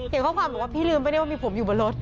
เห็นข้อความบอกว่าพี่ลืมไม่ได้ว่ามีผมอยู่บนรถ